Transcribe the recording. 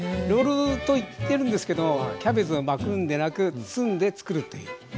ロールと言ってるんですけどキャベツを巻くんでなく包んで作るっていう。